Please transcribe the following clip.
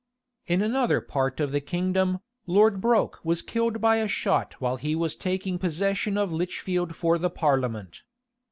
In another part of the kingdom, Lord Broke was killed by a shot while he was taking possession of Lichfield for the parliament.